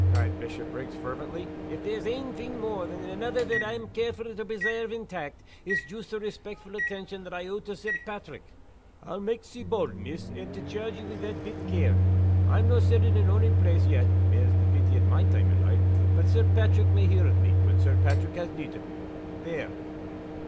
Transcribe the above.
cried Bishopriggs, fervently. "If there's ain thing mair than anither that I'm carefu' to presairve intact, it's joost the respectful attention that I owe to Sir Paitrick. I'll make sae bauld, miss, au to chairge ye wi' that bit caird. I'm no' settled in ony place yet (mair's the pity at my time o' life!), but Sir Paitrick may hear o' me, when Sir Paitrick has need o' me, there."